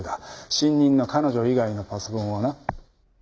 新任の彼女以外のパソコンはな。